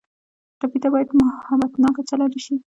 ټپي ته باید محبتناکه چلند وشي.